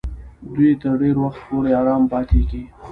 دوی تر ډېر وخت پورې آرام پاتېږي.